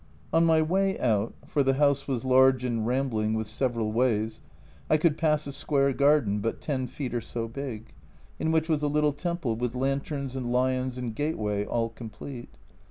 On my way out, for the house was large and rambling, with several ways, I could pass a square garden but 10 feet or so big, in which was a little temple, with lanterns and lions and gateway all complete.